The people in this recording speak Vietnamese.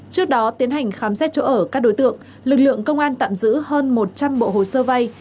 trước đó tiến hành khám xét chỗ ở các đối tượng lực lượng công an tạm giữ hơn một trăm linh bộ hồ sơ vay